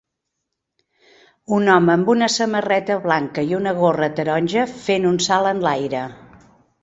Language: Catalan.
Un home amb una samarreta blanca i una gorra taronja fent un salt enlaire.